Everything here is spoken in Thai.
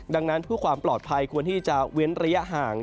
ดังนั้นเพื่อความปลอดภัยควรที่จะเว้นระยะห่าง